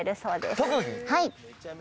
はい。